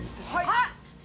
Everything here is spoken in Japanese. あっ！